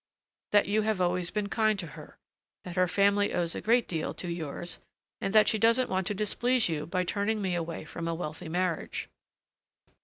"That you have always been kind to her, that her family owes a great deal to yours, and that she doesn't want to displease you by turning me away from a wealthy marriage."